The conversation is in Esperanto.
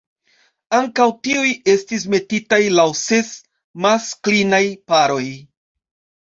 Ankaŭ tiuj estis metitaj laŭ ses maskl-inaj paroj.